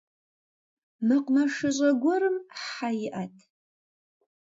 Мэкъумэшыщӏэ гуэрым хьэ иӏэт.